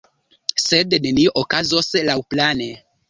Sed nenio okazos laŭplane.